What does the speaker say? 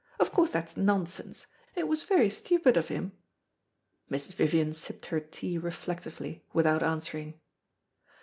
Of course that's nonsense. It was very stupid of him." Mrs. Vivian sipped her tea reflectively without answering.